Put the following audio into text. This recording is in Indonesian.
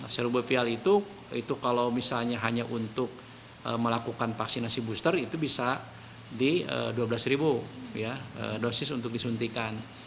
celubovial itu kalau misalnya hanya untuk melakukan vaksinasi booster itu bisa di dua belas ribu dosis untuk disuntikan